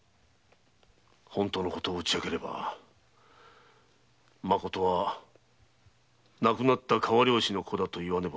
本当のことを打ち明ければまことは亡くなった川漁師の子だと言わねばならぬ。